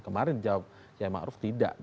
kemarin jawab qm a'ruf tidak